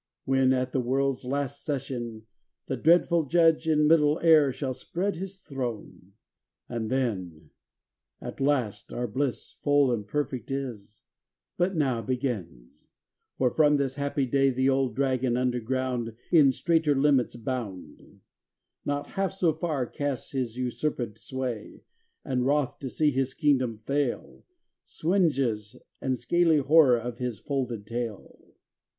When, at the world's last session, The dreadful Judge in middle air shall spread his throne. 591 PALESTINE xvin And then at last our bliss Full and perfect is, But now begins; for from this happy day The Old Dragon under ground, In straiter limits bound, Not half so far casts his usurped sway, And, wroth to see his Kingdom fail, Swindges the scaly horror of his folded tail.